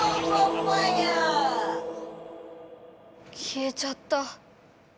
きえちゃった。